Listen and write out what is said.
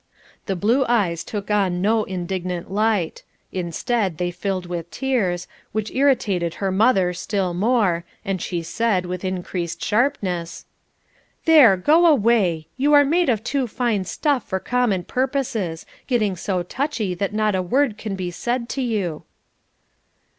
The blue eyes took on no indignant light; instead, they filled with tears, which irritated her mother still more, and she said, with increased sharpness: "There, go away. You are made of too fine stuff for common purposes; getting so touchy that not a word can be said to you."